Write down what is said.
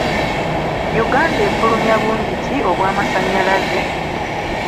Uganda efulumya bungi ki obw'amasanyalaze?